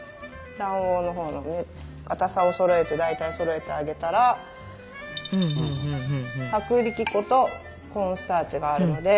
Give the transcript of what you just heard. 卵黄のほうにかたさをそろえて大体そろえてあげたら薄力粉とコーンスターチがあるので。